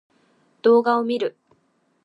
動画を見る